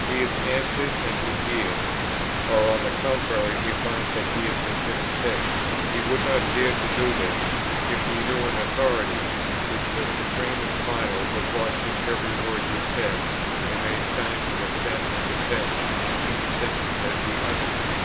He is answered, and he yields; or on the contrary he finds that he is considered safe. He would not dare to do this, if he knew an authority, which was supreme and final, was watching every word he said, and made signs of assent or dissent to each sentence, as he uttered it.